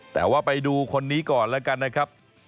แต่ว่าไปดูคนนี้ก่อนแล้วกันนะครับ